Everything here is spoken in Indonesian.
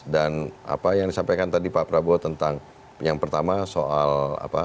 dan apa yang disampaikan tadi pak prabowo tentang yang pertama soal